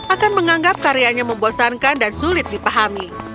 akan menganggap karyanya membosankan dan sulit dipahami